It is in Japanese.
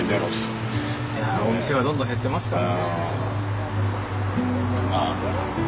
お店はどんどん減ってますから。